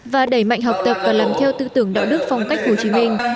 và đẩy mạnh học tập và làm theo tư tưởng đạo đức phong cách hồ chí minh